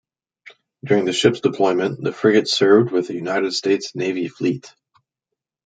During the ship's deployment, the frigate served with a United States Navy fleet.